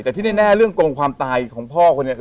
แต่ที่แน่เรื่องโกงความตายของพ่อคนนี้คือ